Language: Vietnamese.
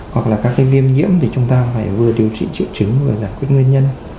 hoặc là các cái viêm nhiễm thì chúng ta phải vừa điều trị triệu chứng vừa giải quyết nguyên nhân